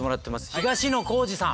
東野幸治さん。